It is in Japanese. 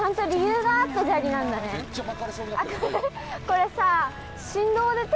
これさ。